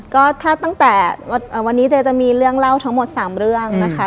ก็ถ้าตั้งแต่วันนี้เจ๊จะมีเรื่องเล่าทั้งหมด๓เรื่องนะคะ